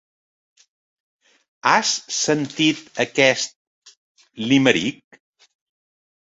Has sentit aquest limerick?